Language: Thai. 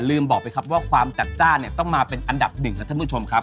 บอกไปครับว่าความจัดจ้านเนี่ยต้องมาเป็นอันดับหนึ่งนะท่านผู้ชมครับ